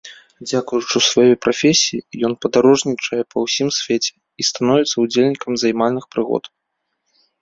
Дзякуючы сваёй прафесіі ён падарожнічае па ўсім свеце і становіцца ўдзельнікам займальных прыгод.